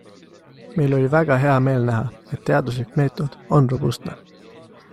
Meil oli väga hea meel näha, et teaduslik meetod on robustne.